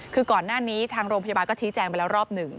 คือก่อนหน้านี้ทางโรงพยาบาลก็ชี้แจงไปแล้วรอบหนึ่ง